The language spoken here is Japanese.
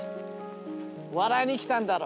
笑いに来たんだろ？